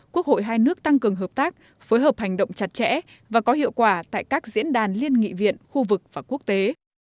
quốc hội hai nước tăng cường hợp tác phối hợp hành động chặt chẽ và có hiệu quả tại các diễn đàn liên nghị viện khu vực và quốc tế